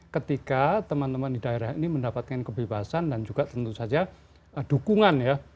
ketika teman teman di daerah ini mendapatkan kebebasan dan juga tentu saja dukungan ya